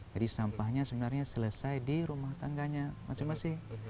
jadi sampahnya sebenarnya selesai di rumah tangganya masing masing